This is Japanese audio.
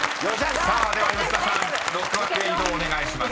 ［さあでは吉田さん６枠へ移動をお願いします］